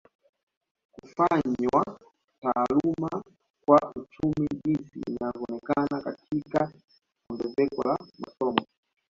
Kufanywa taaluma kwa uchumi jinsi inavyoonekana katika ongezeko la masomo